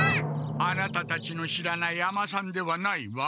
アナタたちの知らない尼さんではないわ。